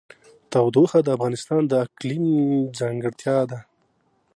تودوخه د افغانستان د اقلیم ځانګړتیا ده.